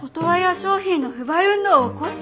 商品の不買運動を起こす」！？